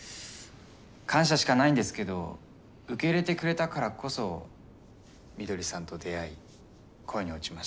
感謝しかないんですけど受け入れてくれたからこそ翠さんと出会い恋に落ちました。